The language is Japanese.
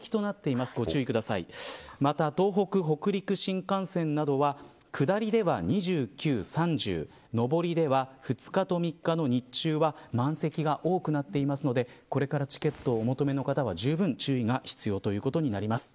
また、東北・北陸新幹線などは下りでは、２９、３０上りでは２日と３日の日中は満席が多くなっていますのでこれからチケットをお求めの方はじゅうぶん注意が必要ということになります。